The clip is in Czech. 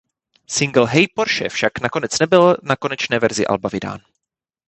Singl "Hey Porsche" však nakonec nebyl na konečné verzi alba vydán.